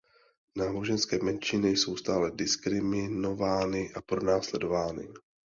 Náboženské menšiny jsou stále diskriminovány a pronásledovány.